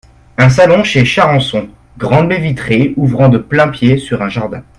Un salon chez Charançon, — Grande baie vitrée, ouvrant de plain-pied sur un jardin.